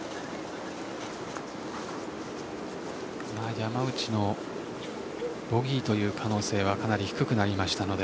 山内のボギーという可能性はかなり低くなりましたので。